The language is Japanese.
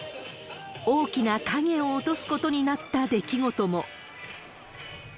大きな影を落とすことになった出来事も。